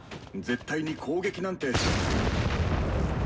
絶対に攻撃なんて。